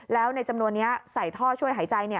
แล้วในจำนวนนี้ใส่ท่อช่วยหายใจ